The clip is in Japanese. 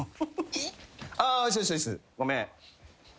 あごめん。